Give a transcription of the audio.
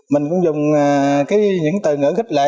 mình cũng dùng những từ ngữ kích lệ